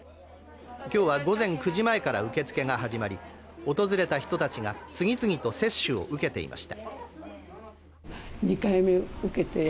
今日は午前９時前から受け付けが始まり、訪れた人たちが次々と接種を受けていました。